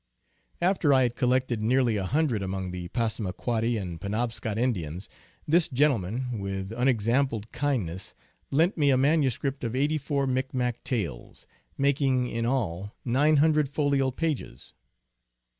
After I had collected nearly a hundred among the Passamaquoddy and Penobscot Indians, this gentleman, with unexampled kindness, lent me a manuscript of eighty four Micmac tales, making in all nine hundred folio pages.